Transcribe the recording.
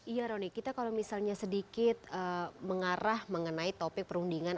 iya roni kita kalau misalnya sedikit mengarah mengenai topik perundingan